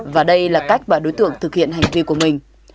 và đây là cách bà đối tượng thực hiện hành vi của mình